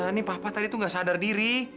ini papa tadi tuh gak sadar diri